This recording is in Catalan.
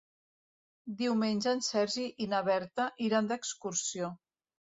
Diumenge en Sergi i na Berta iran d'excursió.